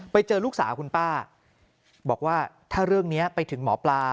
ไปเจอลูกสาวคุณป้าบอกว่าถ้าเรื่องนี้ไปถึงหมอปลา